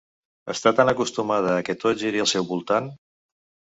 Està tan acostumada a que tot giri al seu voltant!